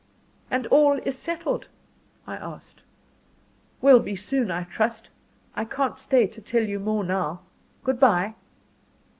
"And all is settled?" I asked. "Will be soon, I trust. I can't stay to tell you more now. Goodbye."